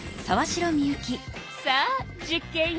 さあ実験よ。